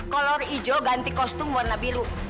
kolor hijau ganti kostum warna biru